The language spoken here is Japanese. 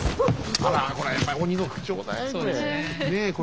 あらこれやっぱり鬼の副長だよこれ。